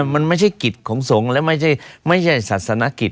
มันไม่ใช่กิจของสงฆ์และไม่ใช่ศาสนกิจ